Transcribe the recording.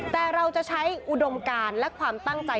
แต่เราจะใช้อุดมการและความตั้งใจ